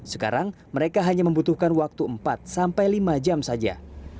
sekarang mereka hanya membutuhkan waktu empat sampai lima jam saja